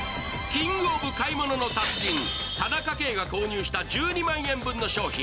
キング・オブ・買い物の達人、田中圭が購入した１２万円分の商品。